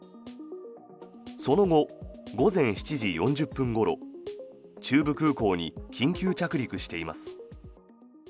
その後、午前７時４０分ごろ中部空港に緊急着陸しています。